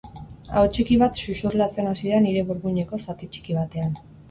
Ahots txiki bat xuxurlatzen hasi da nire burmuineko zati txiki batean.